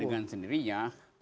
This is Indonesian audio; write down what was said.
iya dengan sendirinya